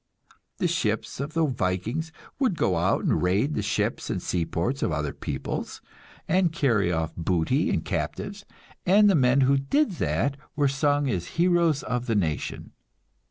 The ships of the Vikings would go out and raid the ships and seaports of other peoples, and carry off booty and captives, and the men who did that were sung as heroes of the nation.